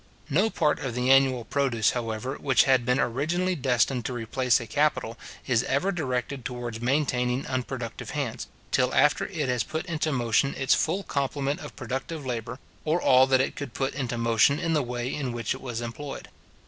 No part of the annual produce, however, which had been originally destined to replace a capital, is ever directed towards maintaining unproductive hands, till after it has put into motion its full complement of productive labour, or all that it could put into motion in the way in which it was employed.